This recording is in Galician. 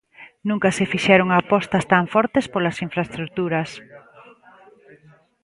Nunca se fixeron apostas tan fortes polas infraestruturas.